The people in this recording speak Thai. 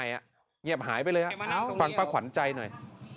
ไม่อ่ะเงียบหายไปเลยอ่ะฟังป้าขวัญใจหน่อย